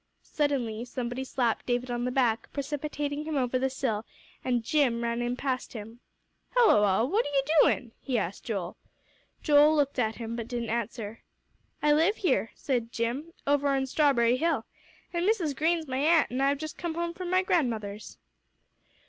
Suddenly somebody slapped David on the back, precipitating him over the sill, and "Jim" ran in past him. "Helloa. What are you doin'?" he asked Joel. Joel looked at him, but didn't answer. "I live here," said Jim, "over in Strawberry Hill. An' Mrs. Green's my a'nt; and I've just come home from my grandmother's."